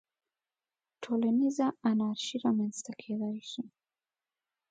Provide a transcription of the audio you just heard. ټولنیزه انارشي رامنځته کېدای شي.